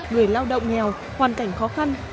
người lao động nghèo hoàn cảnh khó khăn